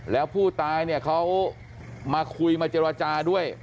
แล้วผู้ตายเนี่ยเขามาคุยมาเจรจาด้วย